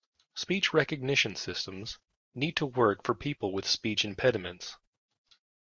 Speech recognition systems need to work for people with speech impediments.